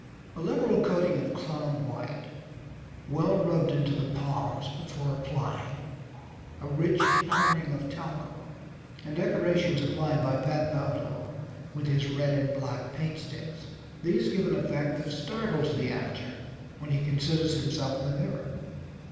A liberal coating of clown white, well rubbed into the palms before applying; a rich powdering of talcum; and decorations applied by Pat Valdo with his red and black paint sticks these give an effect that startles the amateur when he considers himself in the mirror.